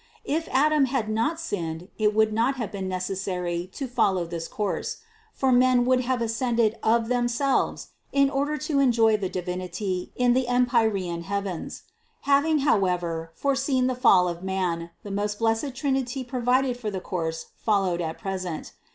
If Adam had not sinned, it would not have been necessary to follow this course; for men would have ascended of themselves in order to enjoy the Divinity in the empyrean heavens; having however foreseen the fall of man, the most blessed Trinity provided for the course followed at present.